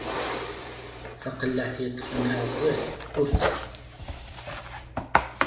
Taqellaɛt yeṭṭfen aɛeẓẓi, ur txab.